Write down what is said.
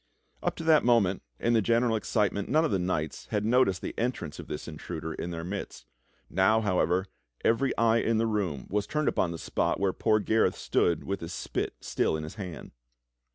Up to that moment, in the general excitement, none of the knights had noticed the entrance of this intruder in their midst. Now, how ever, every eye in the room was turned upon the spot where poor Gareth stood with his spit still in his hand.